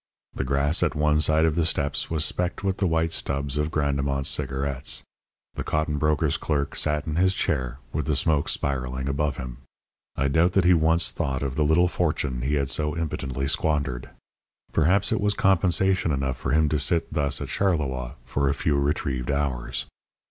The grass at one side of the steps was specked with the white stubs of Grandemont's cigarettes. The cotton broker's clerk sat in his chair with the smoke spiralling above him. I doubt that he once thought of the little fortune he had so impotently squandered. Perhaps it was compensation enough for him to sit thus at Charleroi for a few retrieved hours.